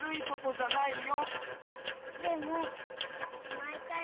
でもまいかい